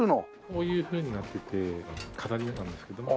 こういうふうになってて飾りなんですけども。